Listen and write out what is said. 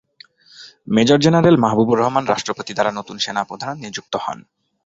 Major general Mahbubur Rahman রাষ্ট্রপতি দ্বারা নতুন সেনাপ্রধান নিযুক্ত হন।